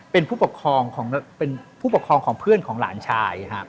เป็นผู้ปกครองของเพื่อนของหลานชาย